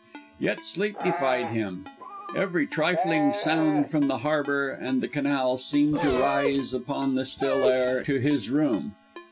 Yet sleep defied him. Every trifling sound from the harbour and the canal seemed to rise upon the still air to his room.